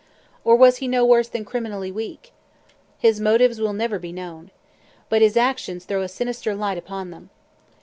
Or was he no worse than criminally weak? His motives will never be known. But his actions throw a sinister light upon them.